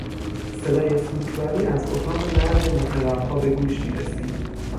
صدای سوگواری از اتاق مرد متوفی به گوش میرسید.